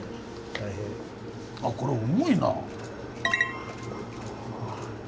あっこれ重いな。